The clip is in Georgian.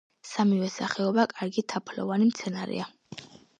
სამივე სახეობა კარგი თაფლოვანი მცენარეა.